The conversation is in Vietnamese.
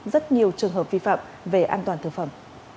rất nhiều trường hợp vi phạm về an toàn thực phẩm